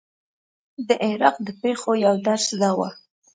د عراق د پېښو یو درس دا و.